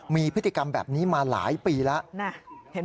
มีพฤติกรรมแบบนี้มาหลายปีแล้ว